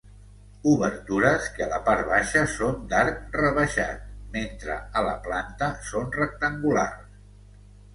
Obertures que a la part baixa són d'arc rebaixat, mentre a la planta són rectangulars.